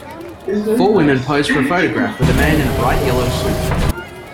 Four women pose for a photograph with a man in a bright yellow suit.